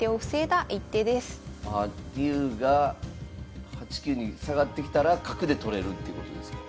竜が８九に下がってきたら角で取れるっていうことですか？